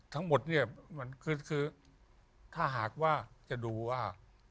ทั้งหมดเนี่ยมันคือถ้าหากว่าจะดูว่า